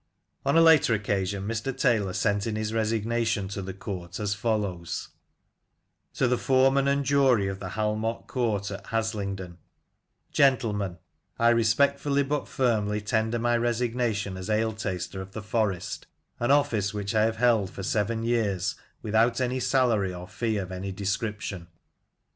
On a later occasion Mr. Taylor sent in his resignation to the court as follows :— "To the Foreman and Jury of the Halmot Court at Haslingden, — Gentlemen, I respectfully, but firmly, tender my resignation as ale taster of the Forest, an office which I have held for seven years without any salary or fee of any description.